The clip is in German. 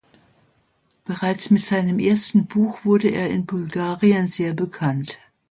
Bereits mit seinem ersten Buch wurde er in Bulgarien sehr bekannt.